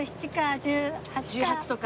１８とか。